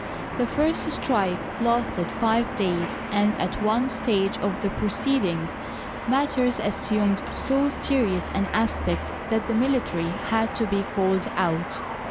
The first strike lasted five days, and, at one stage of the proceedings, matters as sumed so serious an aspect that the military had to be called out.